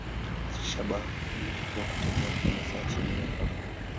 Shabaha kuu ilikuwa kutetea Kanisa chini ya Papa.